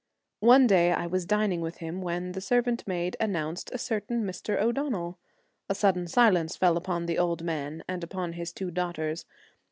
One day I was dining with him when the servant maid announced a certain Mr. O'Donnell. A sudden silence fell upon the old man and upon his two daughters.